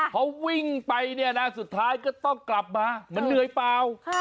เพราะวิ่งไปสุดท้ายก็ต้องกลับมาเหมือนเหนื่อยเปล่า